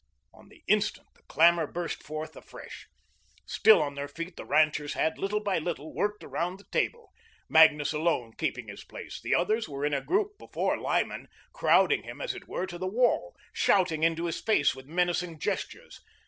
On the instant the clamour burst forth afresh. Still on their feet, the ranchers had, little by little, worked around the table, Magnus alone keeping his place. The others were in a group before Lyman, crowding him, as it were, to the wall, shouting into his face with menacing gestures.